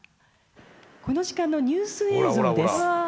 この時間のニュース映像です。